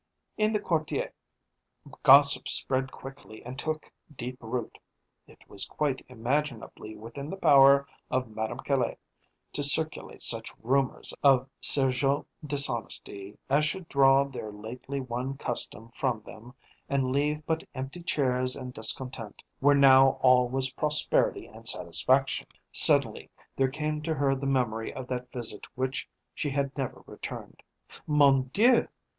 In the quartier, gossip spread quickly and took deep root. It was quite imaginably within the power of Madame Caille to circulate such rumours of Sergeot dishonesty as should draw their lately won custom from them and leave but empty chairs and discontent where now all was prosperity and satisfaction. Suddenly there came to her the memory of that visit which she had never returned. Mon Dieu!